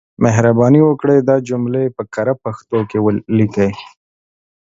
مهرباني وکړئ دا جملې په کره پښتو ليکئ.